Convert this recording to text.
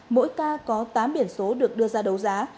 mỗi k có tám biển số được đưa ra đấu giá